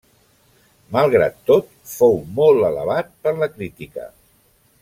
Malgrat tot, fou molt alabat per la crítica.